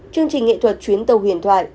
chương trình nghệ thuật chuyến tàu huyền thoại